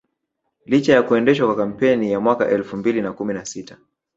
Licha ya kuendeshwa kwa kampeni ya mwaka elfu mbili na kumi na sita